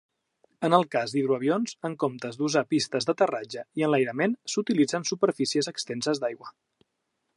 En el cas d'hidroavions, en comptes d'usar pistes d'aterratge i enlairament, s'utilitzen superfícies extenses d'aigua.